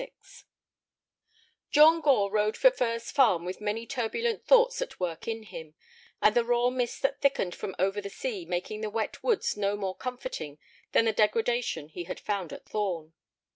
XLVI John Gore rode for Furze Farm with many turbulent thoughts at work in him, and the raw mist that thickened from over the sea making the wet woods no more comforting than the degradation he had found at Thorn.